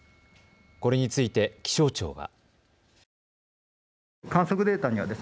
これについて気象庁は。